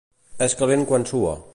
És calent quan sua.